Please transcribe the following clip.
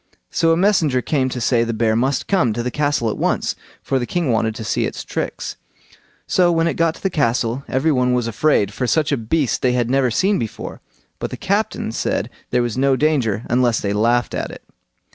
So a messenger came to say the bear must come to the castle at once, for the king wanted to see its tricks. So when it got to the castle every one was afraid, for such a beast they had never seen before; but the captain said there was no danger unless they laughed at it.